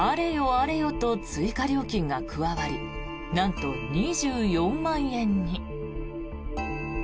あれよと追加料金が加わりなんと２４万円に。